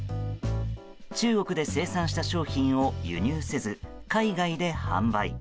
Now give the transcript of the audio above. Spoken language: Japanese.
中国で生産した商品を輸入せず海外で販売。